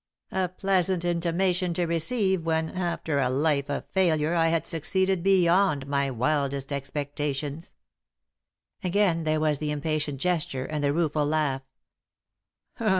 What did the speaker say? A pleasant intimation to receive when, after a life of failure, I had succeeded beyond my wildest expectations." Again there was the impatient gesture and the rueful laugh.